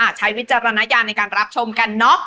ใช้วิจารณญาณในการรับชมกันเนอะ